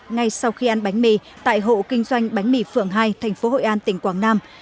ngay sau khi ăn bánh mì tại hộ kinh doanh bánh mì phượng hai thành phố hội an tỉnh quảng nam